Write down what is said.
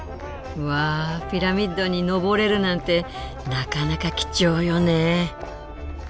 わあピラミッドに上れるなんてなかなか貴重よね。